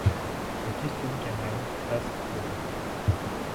Le Küstenkanal passe près de l'Ems.